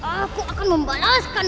aku akan membalaskan